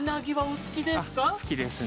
◆好きですね。